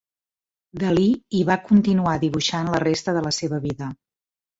Dalí i va continuar dibuixant la resta de la seva vida.